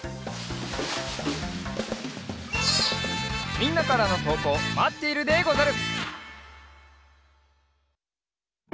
みんなからのとうこうまっているでござる！